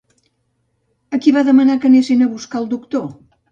A qui va demanar que anessin a buscar el doctor?